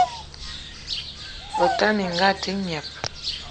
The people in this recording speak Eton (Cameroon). O tala minga a te gneb!